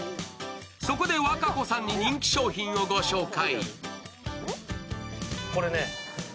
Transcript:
そこで和歌子さんに人気商品をご紹介。